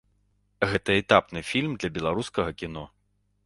Гэта этапны фільм для беларускага кіно.